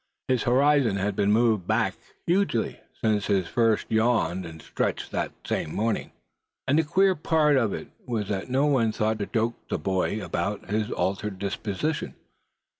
His horizon had been moved back hugely since he first yawned, and stretched, that same morning. And the queer part of it was that no one thought to joke the boy about his altered disposition.